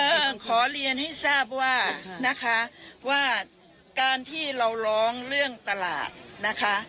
เอ่อขอเรียนให้ทราบว่านะคะว่าการที่เราร้องเรื่องตลาดนะคะ